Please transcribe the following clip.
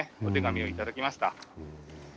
お手紙を頂きました。